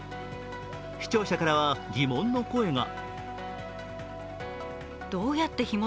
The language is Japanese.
視聴者からは疑問の声が。